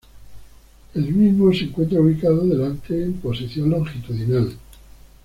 El mismo se encuentra ubicado adelante en posición longitudinal.